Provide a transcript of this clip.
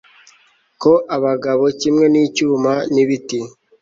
ko abagabo, kimwe n'icyuma n'ibiti